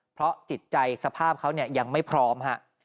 เพราะจิตใจสภาพเขายังไม่พร้อม